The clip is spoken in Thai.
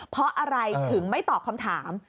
เพราะอะไรถึงไม่ตอบคำถาม